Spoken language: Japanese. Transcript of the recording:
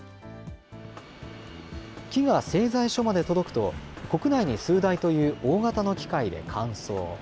木が製材所まで届くと、国内に数台という大型の機械で乾燥。